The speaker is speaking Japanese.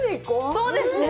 そうですね。